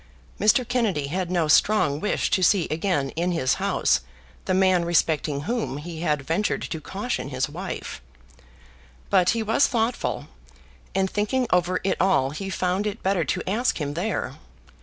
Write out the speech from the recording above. Mr. Kennedy had no strong wish to see again in his house the man respecting whom he had ventured to caution his wife; but he was thoughtful; and thinking over it all, he found it better to ask him there.